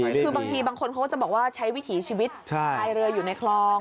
คือบางทีบางคนเขาก็จะบอกว่าใช้วิถีชีวิตพายเรืออยู่ในคลอง